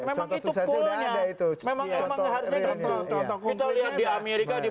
memang itu pullnya contoh suksesnya udah ada itu